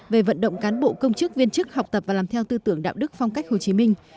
về vận động cán bộ công chức viên chức học tập và làm theo tư tưởng đạo đức phong cách hồ chí minh